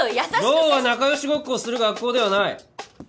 ローは仲良しごっこをする学校ではない！